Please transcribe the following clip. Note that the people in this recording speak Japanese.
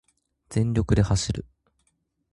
全力で走る